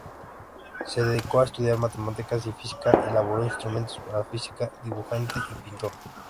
Se dedicó a estudiar matemática y física, elaboró instrumentos para física, dibujante y pintor.